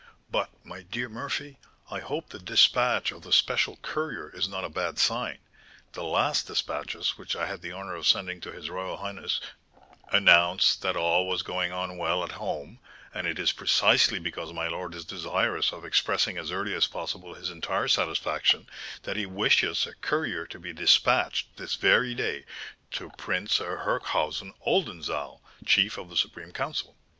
But, my dear Murphy, I hope the despatch of the special courier is not a bad sign; the last despatches which I had the honour of sending to his royal highness " "Announced that all was going on well at home; and it is precisely because my lord is desirous of expressing as early as possible his entire satisfaction, that he wishes a courier to be despatched this very day to Prince Herkhaüsen Oldenzaal, Chief of the Supreme Council."